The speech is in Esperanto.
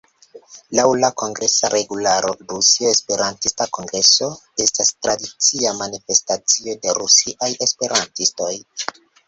Laŭ la Kongresa regularo, "Rusia Esperantista Kongreso estas tradicia manifestacio de rusiaj esperantistoj.